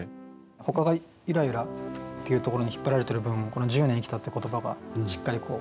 ほかが「ゆらゆら」っていうところに引っ張られてる分この「十年生きた」って言葉がしっかり立ち上がる。